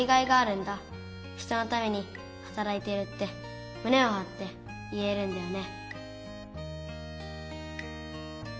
人のためにはたらいてるってむねをはって言えるんだよね。